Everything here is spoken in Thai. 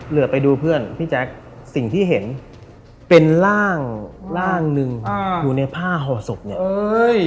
เหลือไปดูเพื่อนพี่แจ๊คสิ่งที่เห็นเป็นร่างร่างหนึ่งอยู่ในผ้าห่อศพเนี่ยเอ้ย